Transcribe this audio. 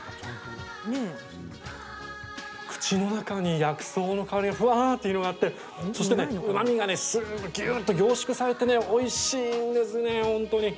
口の中に薬草の香りがふわっと広がって、そしてうまみがぎゅっと凝縮されておいしいんですね、本当に。